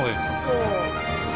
そう。